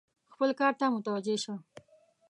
خپل کار ته متوجه شه !